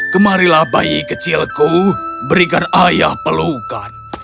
kemarilah bayi kecilku berikan ayah pelukan